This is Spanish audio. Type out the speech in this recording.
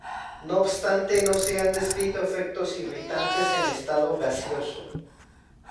No obstante, no se han descrito efectos irritantes en estado gaseoso.